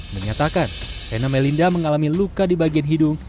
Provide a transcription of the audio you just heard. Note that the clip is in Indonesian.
menyatakan hena melinda mengalami luka di bagian hidung